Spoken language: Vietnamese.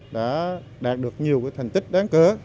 đã đạt được nhiều thành tích đáng cớ